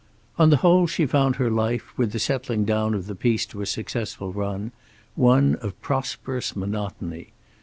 On the whole she found her life, with the settling down of the piece to a successful, run, one of prosperous monotony.